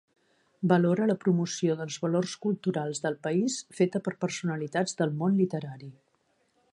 Valore la promoció dels valors culturals del país feta per personalitats del món literari.